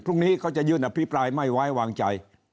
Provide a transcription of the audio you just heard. พรุ่งนี้เขาจะยื่นอภิปรายไม่ไว้วางใจ